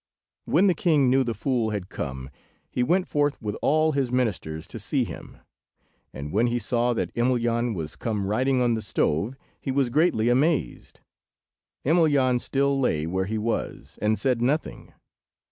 When the king knew the fool had come, he went forth with all his ministers to see him, and when he saw that Emelyan was come riding on the stove, he was greatly amazed. Emelyan still lay where he was, and said nothing.